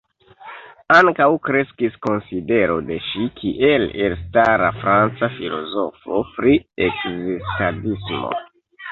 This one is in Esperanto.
Ankaŭ kreskis konsidero de ŝi kiel elstara franca filozofo pri ekzistadismo.